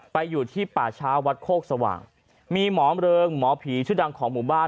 อยู่ที่ป่าช้าวัดโคกสว่างมีหมอเริงหมอผีชื่อดังของหมู่บ้าน